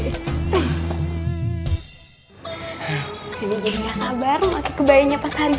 jadi jadi gak sabar mau pakai kebayanya pas hari ya